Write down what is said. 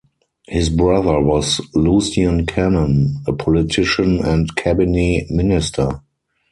His brother was Lucien Cannon, a politician and cabinet minister.